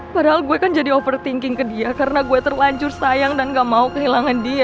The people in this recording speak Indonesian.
padahal gue kan jadi overthinking ke dia karena gue terlanjur sayang dan gak mau kehilangan dia